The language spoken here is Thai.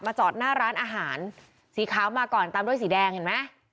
จอดหน้าร้านอาหารสีขาวมาก่อนตามด้วยสีแดงเห็นไหม